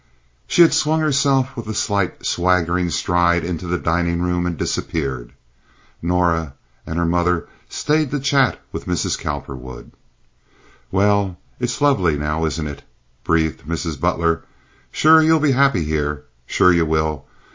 She had swung herself with a slight, swaggering stride into the dining room and disappeared. Norah and her mother stayed to chat with Mrs. Cowperwood. "Well, it's lovely now, isn't it?" breathed Mrs. Butler. "Sure you'll be happy here. Sure you will.